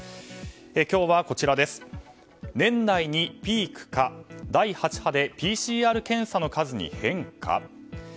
今日は、年内にピークか第８波でＰＣＲ検査の数に変化？